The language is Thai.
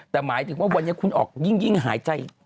แต่หมายถึงว่าวันนี้คุณออกยิ่งหายใจ